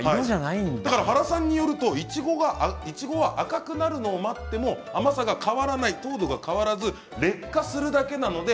原さんによるといちごが赤くなるのを待っても甘さが変わらない糖度が変わらず劣化するだけなので